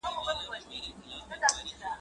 خر په پالانه نه درنېږي.